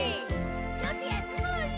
ちょっと休もうよ。